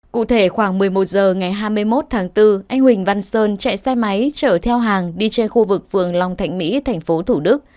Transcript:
cụ thể khoảng một mươi một h ngày hai mươi một tháng bốn anh huỳnh văn sơn chạy xe máy chở theo hàng đi trên khu vực phường long thạnh mỹ tp thủ đức